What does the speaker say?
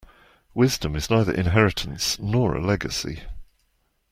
Wisdom is neither inheritance nor a legacy.